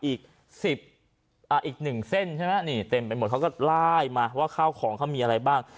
อีกหนึ่งเส้นใช่ไหมนี่เต็มไปหมดเขาก็ไล่มาว่าข้าวของเขามีอะไรบ้าง